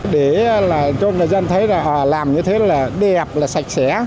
để cho người dân thấy là họ làm như thế là đẹp là sạch sẽ